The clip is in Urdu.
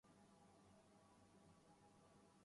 مہ و ستارہ ہیں بحر وجود میں گرداب